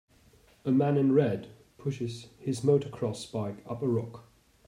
A man in red pushes his motocross bike up a rock.